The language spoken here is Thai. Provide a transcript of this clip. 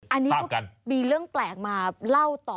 อันนี้ก็มีเรื่องแปลกมาเล่าต่อ